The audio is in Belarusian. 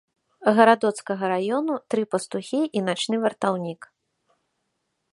Гарадоцкага раёну, тры пастухі і начны вартаўнік.